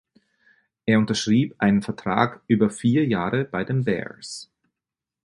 Er unterschrieb einen Vertrag über vier Jahre bei den Bears.